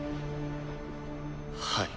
はい。